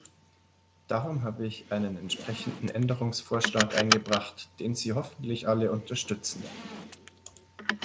Darum habe ich einen entsprechenden Änderungsvorschlag eingebracht, den Sie hoffentlich alle unterstützen.